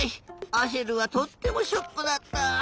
アシェルはとってもショックだった。